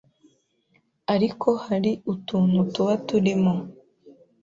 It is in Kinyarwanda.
ariko hari utuntu tuba turimo